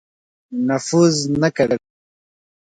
نفوذ نه کوي.